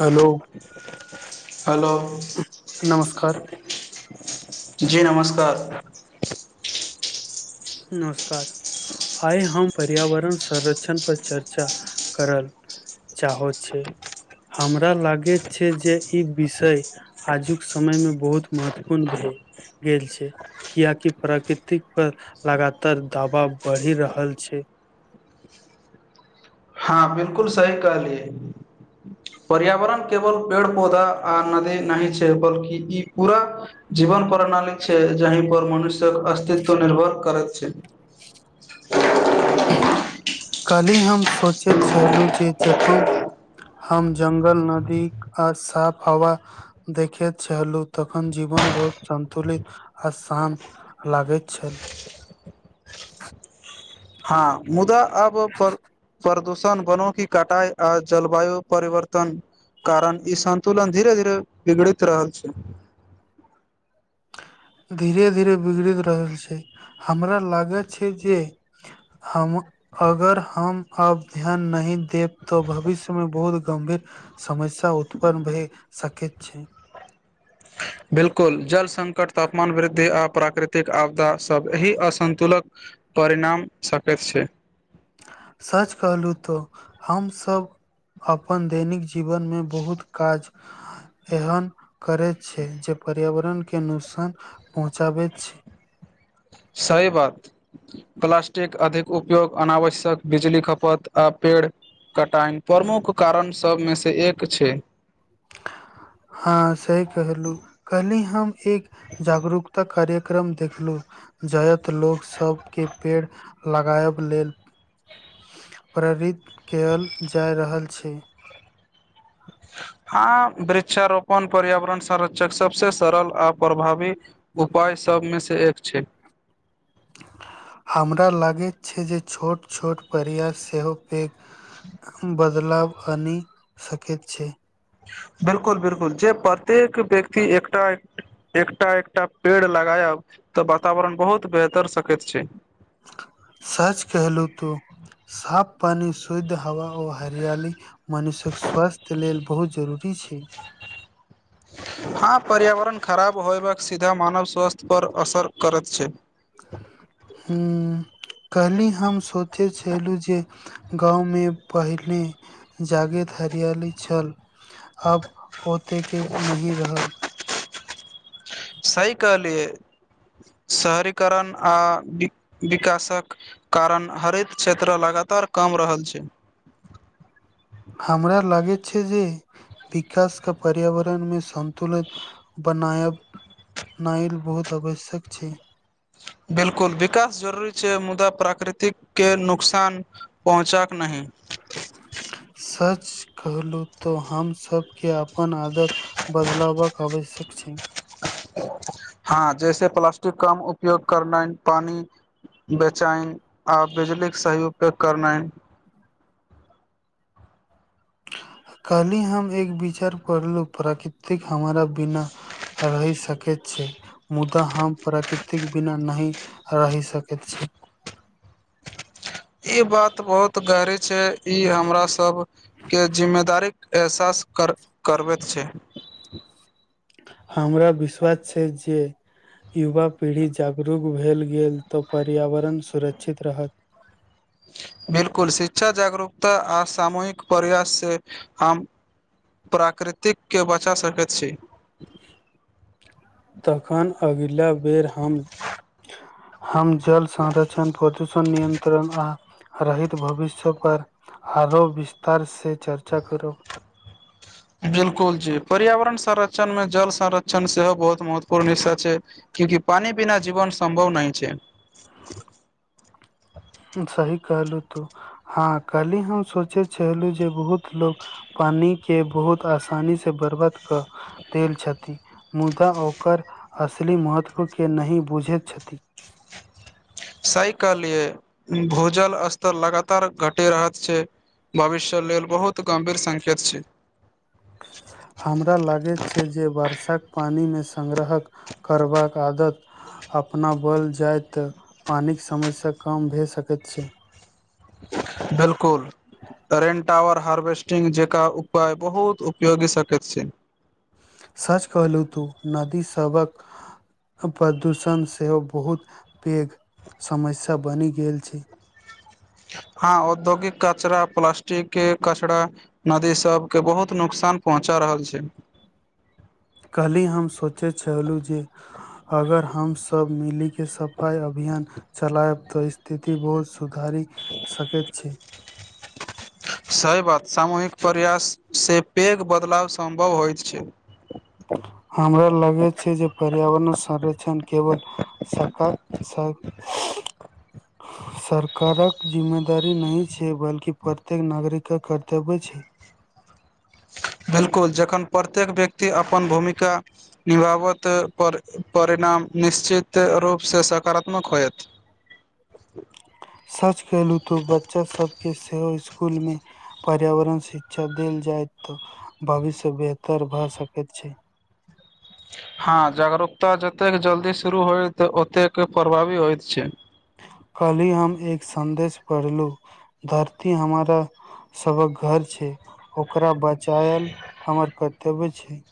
Hello hello नमस्कार जी नमस्कार नमस्कार आइ हम पर्यावरण संरक्षण पर चर्चा करल चाहो छै हमरा लागैत छै जे ई विषय आजुक समय में बहुत महत्वपूर्ण भेय भेल छै कियकि प्राकृतिक पर लगातार दबाब बढ़ि रहल छै हँ बिल्कुल सही कहलियै पर्यावरण केवल पेड़ पौधा आ नदी नही छै बल्कि ई पूरा जीवन प्रणाली छै जहि पर मनुष्यक अस्तित्व निर्भर करैत छै कल्हि हम सोचैत छलहुँ जे जखन हम जंगल नदी आ साफ हवा देखे छललु तखन जीवन बहुत संतुलित आ शान्त लागैत छल [inaudible] हाँ मुदा अब प्र-प्रदूषण बनौ की कटाइ आ जलवायु परिवर्तन कारण ई संन्तुलन धीरे-धीरे बिगड़ैत रहल छै। धीरे-धीरे बिगड़ि रहल छै हमरा लागै छै जे हम अगर हम आब ध्यान नहि देब तऽ भविष्यमे बहुत गंभीर समस्या उत्पन्न भइ सकैत छै बिल्कुल जल संकट तापमान वृद्धि आ प्राकृतिक आपदा सब एहि असन्तुलक परिणाम सकैत छै सच कहलहुँ तो हमसब अपन दैनिक जीवनमे बहुत काज एहन करै छै जे पर्यावरणके नुकसान पहुँचाबैत छै सही बात। प्लास्टिक अधिक उपयोग अनावश्यक बिजली खपत आ पेड़ कटाइन प्रमुख कारण सभमेसँ एक छै हाँ सहि कहलहूँ कहली हम एक जागरूकता कार्यक्रम देखलु। जायत लोक सबके पेड़ लगाएब लेल प्रेरित कएल जाइ रहल छै हाँ वृक्षारोपण पर्यावरण संरक्षक सबसे सरल आ प्रभावी। उपाय सभमेसँ एक छै हमरा लागैत छै जे छोट-छोट प्रयास सेहो पैघ। बदलाव आनि सकैत छै बिल्कुल बिल्कुल जे प्रत्येक व्यक्ति एकटा एकटा-एकटा पेड़ लगायब तऽ वातावरण बहुत बेहतर सकैत छै। सच कहलूं तु साफ पानी शुद्ध हवा ओ हरियली मनुष्य्यक स्वास्थ्य लेल बहुत जरूरी छै। हाँ पर्यावरण खराब होयबाक सीधा मानव स्वस्थ्य पर असर करैत छै हूँ काल्हि हम सोचे छलू जे गाँवमे पहिने जागे हरियाली छल। अब होते के नहि रहल। सही कहलियै शहरीकरण आ विक-विकासक। कारण हरित क्षेत्र लगातार कम रहल छै। हमरा लागैत छै जे विकासके पर्यावरणमे सन्त- -तुलन बनायब नाएल बहुत आवश्यक छै। बिल्कुल विकास जरुरी छै मुदा प्राकृतिकके नुकसान पहुँचक नहि सच कहलूँ तऽ हम सबके आब अपन आदत बदल बाक आवश्यक छे हाँ जैसे प्लासस्टिक कम उपयोग करैनाइ पानी बेचैन आ बिजलीके सही उपयोग करनाइ काल्हि हम एक विचार पढ़लहुँ प्राकृतिक हमरा बिना रहि सकै छै मुदा हम प्रकृतिके बिना नहि रहि सकैत छी ई बात बहुत गहरी छे ई हमरा सबके जिम्मेदारी एहसास कर करबेत छै हमरा विश्वास छे जे युवा पीढ़ी जागरूक भेल गेल तऽ पर्यावरण सुरक्षित रहत बिलकुल शिक्षा जागरूकता आ सामूहिक प्रयास से हम प्राकृतिक के बचा सकेत छी तखन अगिला बेर हम हम जल संरक्षण प्रदूषण नियनत्रण आ रहित भविष्य पर आरो विस्तार से चर्चा करब बिलकुल जी पर्यावरण संरक्षण में जल संरक्षण से हो बहुत महत्वपूर्ण हिस्सा छै क्यूंकि पीना बिना जीवन संभव नहि छै सही कहलु तू हा कल्हि हम सोचे छलहु जे बहुत लोक पानी के बहुत आसानी से बरबाद क देल छथि मुदा ओकर असली महत्व के ने बुझेत छथि सही कहलीये भूजल स्तर लगातार घटेत रहे छै भविष्य लेल बहुत गम्भीर संकेत छै हमरा लागेत छै जे वर्षा पानी मे संग्रहक करबाक आदत अपनाबल जाय तऽ पानी के समसया कम भए सकेत छै बिल्कुल तरेनटावर हार्वेस्टिंग जेक उपाय बहुत उपयोगी सकेत छै सच कहलु तू नदी सबक प्रदूषण सेहो बहुत पेघ समस्या बनि गेल छै हाँ औद्योगिक कचरा प्लासस्टिक कचरा नदी सब के बहुत नुकसान पहुँचा रहल छै कल्हि हम सोचे छहलु जे अगर हम सब मिलि के सफाई अभियान चलायब तऽ स्थिति बहुत सुधारी सकेत छी सही बात सामूहिक प्रयास से पैग बदलाव सम्भव होइत छै हमरा लगे छै जे पर्यावरण संरक्षण केवल सका [unintelligible] सरकारक जिम्मेदारी नही छै बल्कि प्रत्येक नागरिक के कर्तव्य छै बिलकुल जखन प्रत्येक व्यक्ति अपन भूमिका निभावत पर परिणाम निश्चित रूप से सकारात्मक होयत सच केलहु तो बच्चा सबके सेहो सकुल में पर्यावरण शिक्षा देल जाय तऽ भविष्य बेहतर भए सकेत छै हा जागरूकता जतेक जल्दी शुरू होइत ओतेक प्रभावी होइत छै कल्हि हम एक सन्देश पढ़लु धरती हमारा सबक घर छै ओकरा बचायल हमर कर्तव्य छै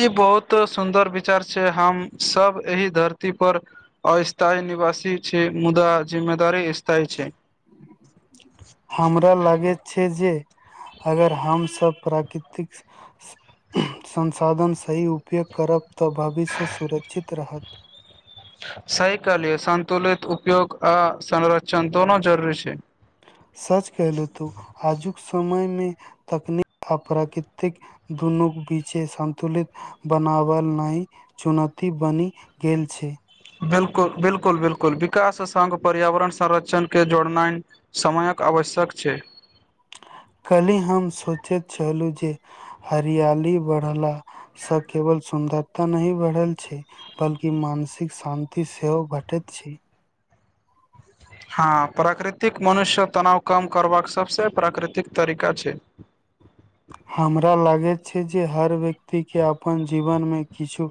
ई बहुत सुन्दर विचार छै हम सब ऐही धरती पर अस्थायी निवासी छी मुद्दा जिम्मेदारी स्थायी छै हमरा लागैत छै जे अगर हमसब प्राकृतिक संसाधन सही उपयोग करब तऽ भविष्य सुरक्षित रहत सही कहलियै संतुलित उपयोग आ संरचन दोनो जरुरी छै सच कलहु तू आजुक समयमे तकनीक आ प्राकृतिक दुनूक बीचे सन्तुलित बनाबल नइ चुनोती बनि गेल छै बिल्कुल बिल्कुल बिल्कुल विकास सङ्ग पर्यावरण संरक्षणके जोड़नाइ समयक आवश्यक छै काल्हि हम सोचेत छलू जे हरियाली बढ़ला स केवल सुन्दरता नहि बढ़ल छै बल्कि मानसिक शान्ति सेहो घटैत छै हाँ प्राकृतिक मनुष्य तनाव कम करबाक सबसे प्राकृतिक तरीका छै हमरा लागैत छै जे हर व्यक्तिके अपन जीवनमे किछु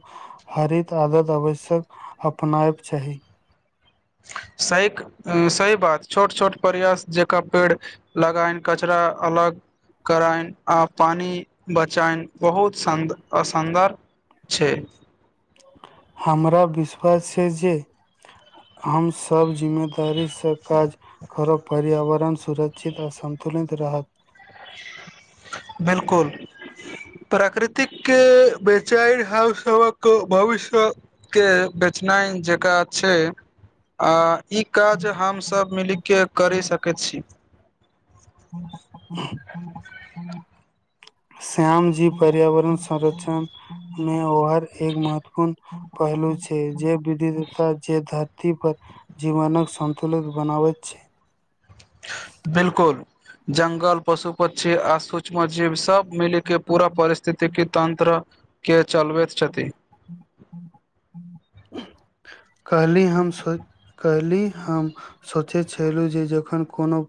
हरित आदत आवश्यक अपनाएब चाही सहीक सही बात छोट छोट प्रयास जेका पेड़ लगाइन कचरा अलग [unintelligible] कराइन आ पानि बचाइन [unintelligible] बहुत सन्द असन्दर [unintelligible] छै हमरा विश्वास छै जे हम सब जिम्मेदारीसँ काज करब पर्यावरण सुरक्षित आ सन्तुलित रहत बिल्कुल प्राकृतिक बेचइ हम सबहक भविष्य के बेचनाइन जेका छै आ ई काज हमसभ मिलिके करि सकैत छी हूँ श्याम जी पर्यावरण संरक्षण मे ओहार एक महत्वपूर्ण पहलू छै जे विधिता जे धरती पर जीवनक संन्तुलित बनाबैत छै बिल्कुल जंगल पशु पक्षी आ सूक्ष्म जीव सब मिलीके पूरा परिस्थिति तंत्र के चलबैत छथि कहली हम सोच कहली हम सोचै छेलू जे जखन कोनो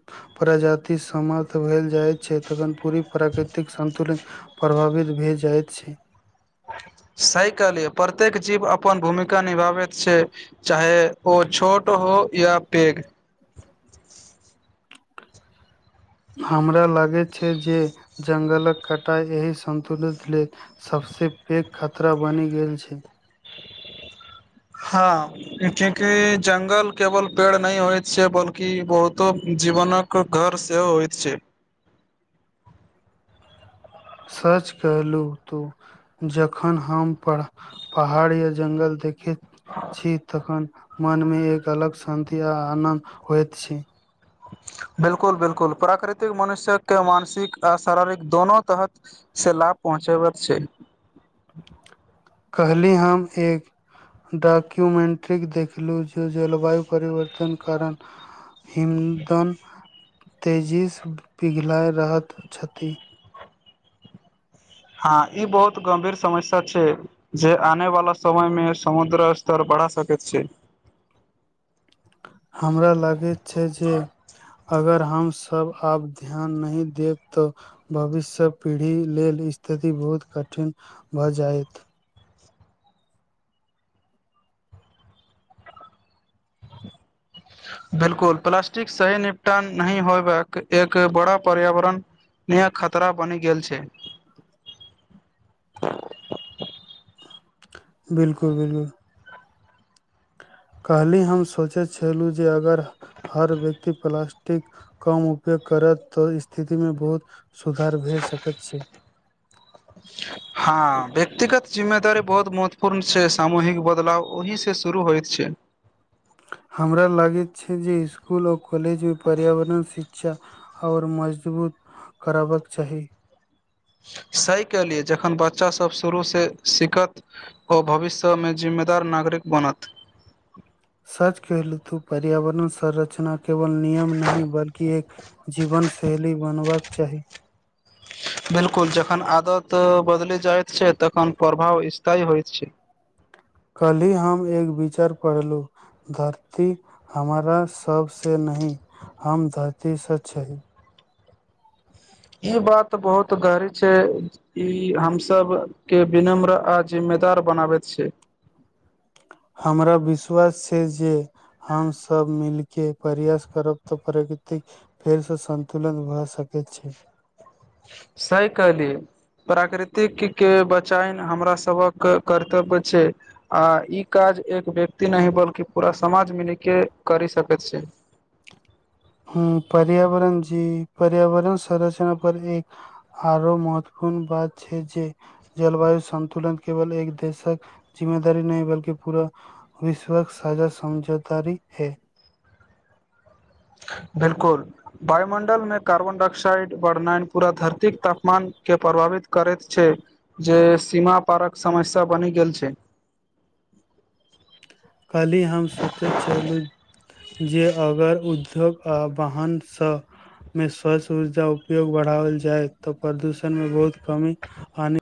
प्रजाति समाप्त भेल जाइ छै तखन पूरी प्राकृतिक सन्तुलन प्रभावित भेए जाइत छै सही कहलियै प्रत्येक जीव अपन भूमिका निभाबैत छै चाहे ओ छोट हो या पैघ हमरा लागैत छै जे जंगलक कटाइ एहि सन्तुलित लेल सबसे पैघ खतरा बनि गेल छै हाँ क्यूंकि जंगल केवल पेड़ नहि होइत छै बल्कि बहुतो जीवनक -क घर सेहो होइत छै [inaudible] सच कहलू तू जखन हम पहाड़ या जंगल देखैत छी तखन मनमे एक अलग शान्ति आ आनन्द होइत छी बिल्कुल बिल्कुल प्राकृतिक मनुष्यकके मानसिक आ शारीरिक दोनो तहत से लाभ पहुँचबैत छै कहली हम एक डॉक्यूमेंट्री देखलूं जे जलवायु परिवर्तन कारण हिन्दन तेजीस पिघलाइ रहैत छथि हँ ई बहुत गम्भीर समस्या छै जे आने वाला समय मे समुद्र स्तर बढ़ा सकैत छै। हमरा लागैत छै जे अगर हम सब आब ध्यान नहि देब तऽ भविष्य पीढ़ी लेल स्थिति बहुत कठिन भऽ जायत बिलकुल प्लास्टिक सही निपटान नहि होयबाक एक बड़ा पर्यावरण नया खतरा बनि गेल छै बिलकुल बिलकुल कल्हि हम सोचे छेलू जे अगर हर व्यक्ति प्लास्टिक कम उपयोग करत तऽ स्थितिमे बहुत सुधार भए सकैत छै हँ व्यक्तिगत जिम्ममेदारी बहुत महत्व पूर्ण छै सामूहिक बदलाव ओहि से शुरू होइत छै। हमरा लागे छै जे इस्कूल आओर कॉलेज मे पर्यावरण शि क्षा आओर मजबूत करबाक चाही। सही केलिए जखन बच्चासभ शुरूसे सिखत ओ भविष्य मे जिम्मेदार नागरिक बनत सच कहलू तू पर्यावरण संरचना केवल नियम नहि बल्कि एक जीवनशैली बनबाक चाही। बिलकुल जखन आदत बदलि जाइत छै। तखन प्रभाव स्थाय होइत छै। कल्हि हम एक विचार पढ़लु धरती हमरा सब से नहि हम धरतीसँ छहि ई बात बहुत गहरी छै ई हम सब केँ विनम्र आ जिम्मेदार बनाबैत छै। हमरा विश्वास छै जे हम सभ मिल केँ प्रयास करब तऽ प्रकृतिक फेर सँ सन्तुलन भऽ सकैत छै सही कहली प्राकृतिक केँ बचाइन हमरा सबके कर्तव्य छै आ ई काज एक व्यक्ति नहि बल्कि पूरा समाज मिली केँ करि सकैत छै। हुँ पर्यावरण जी पर्यावरण संरचना पर एक आउरो महत्वपूर्ण बात छै जे जलवायु संन्तुलन केवल एक देशक जिम्मेदारी नहि बल्कि पूरा विश्वक साजा समझौदारी है बिलकुल वायुमण्डलमे कार्बन डाइऑकसाइड बढ़नाइन पूरा धरतीक तापमान केँ प्रभावित करैत छै जे सीमा पारक समस्या बनि गेल छै कल्हि हम सोचैत छलू जे अगर उद्योग आ वाहन सँ मे स्वच्छ ऊर्जा उपयोग बढ़ाओल जाय तऽ प्रदूषण मे बहुत कमी आनि